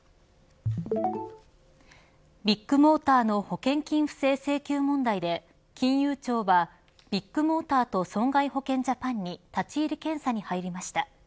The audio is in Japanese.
ビッグモーターの保険金不正請求問題で金融庁は、ビッグモーターと損害保険ジャパンに立ち入り検査に入りました。